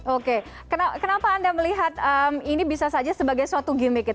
oke kenapa anda melihat ini bisa saja sebagai suatu gimmick